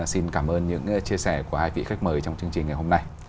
xin cảm ơn những chia sẻ của hai vị khách mời trong chương trình ngày hôm nay